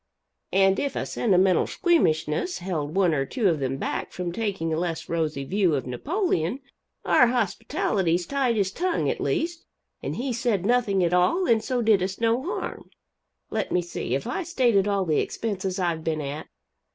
And if a sentimental squeamishness held one or two of them back from taking a less rosy view of Napoleon, our hospitalities tied his tongue, at least, and he said nothing at all and so did us no harm. Let me see have I stated all the expenses I've been at?